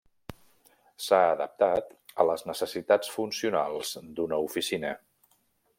S'ha adaptat a les necessitats funcionals d'una oficina.